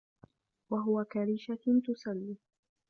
وَهُوَ كَرِيشَةٍ تُسَلُّ